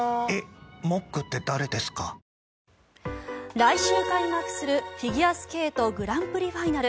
来週開幕するフィギュアスケートグランプリファイナル。